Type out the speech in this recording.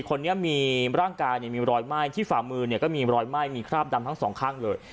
คนนี้มีร่างกายมีรอยไหม้ที่ฝ่ามือเนี่ยก็มีรอยไหม้มีคราบดำทั้งสองข้างเลย